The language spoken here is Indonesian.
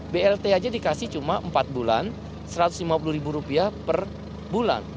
blt aja dikasih cuma empat bulan satu ratus lima puluh ribu rupiah per bulan